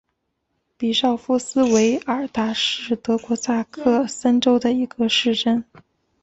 比绍夫斯韦尔达是德国萨克森州的一个市镇。